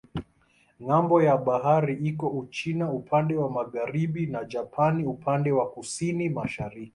Ng'ambo ya bahari iko Uchina upande wa magharibi na Japani upande wa kusini-mashariki.